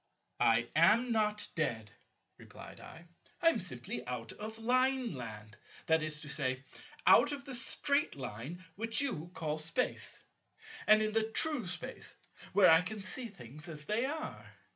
"I am not dead," replied I; "I am simply out of Lineland, that is to say, out of the Straight Line which you call Space, and in the true Space, where I can see things as they are.